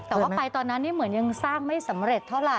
แต่ว่าไปตอนนั้นเหมือนยังสร้างไม่สำเร็จเท่าไห